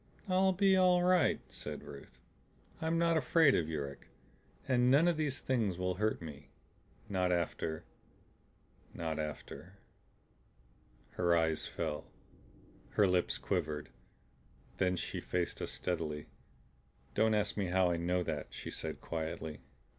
"I'll be all right," said Ruth. "I'm not afraid of Yuruk. And none of these Things will hurt me not after not after " Her eyes fell, her lips quivered, then she faced us steadily. "Don't ask me how I know that," she said quietly.